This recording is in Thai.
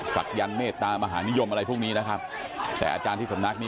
ศักยันต์เมตตามหานิยมอะไรพวกนี้นะครับแต่อาจารย์ที่สำนักนี้